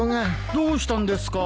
どうしたんですか？